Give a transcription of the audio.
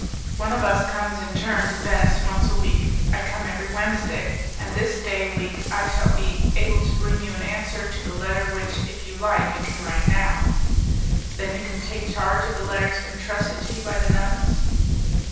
One of us comes in turn to Venice once a week; I come every Wednesday, and this day week I shall be able to bring you an answer to the letter which, if you like, you can write now." "Then you can take charge of the letters entrusted to you by the nuns?"